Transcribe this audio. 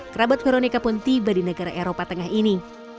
kerabat veronica pun tiba di negara eropa tengah ini